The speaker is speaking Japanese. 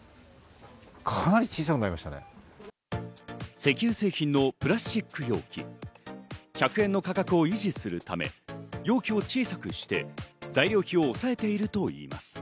石油製品のプラスチック容器も１００円の価格を維持するため、容器を小さくして材料費を抑えているといいます。